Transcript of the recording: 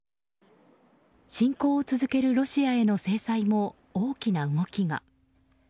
侵攻を続けるロシアへの制裁も大きな動きが。